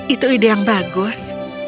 itu ide yang bagus